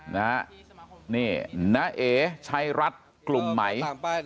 นาเอชัยรัฐกลุ่มไหม